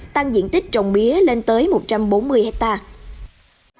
tăng diện tích trồng mía lên tới một trăm bốn mươi hectare